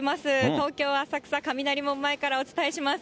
東京・浅草雷門前からお伝えします。